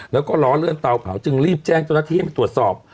แล้วก็รอเลื่อนเตาเผาจึงรีบแจ้งตรวจสอบ